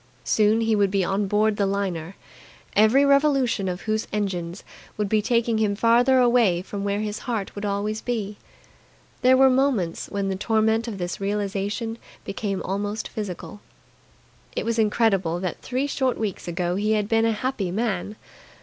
Soon he would be on board the liner, every revolution of whose engines would be taking him farther away from where his heart would always be. There were moments when the torment of this realization became almost physical. It was incredible that three short weeks ago he had been a happy man.